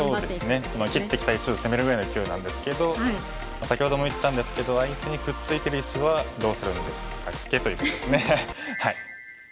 切ってきた石を攻めるぐらいのいきおいなんですけど先ほども言ったんですけど相手にくっついてる石はどうするんでしたっけ？ということですね。